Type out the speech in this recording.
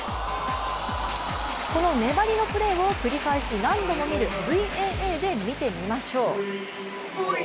この粘りのプレーを繰り返し何度も見るＶＡＡで見てみましょう。